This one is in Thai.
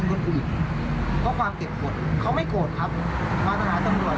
รอผลจากโรงพยาบาลแล้วผมถามว่ามีกฎหมายตัวไหนคุ้มคลอม